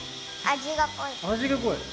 味が濃い。